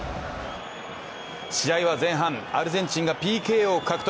試合は前半、アルゼンチンがＰＫを獲得。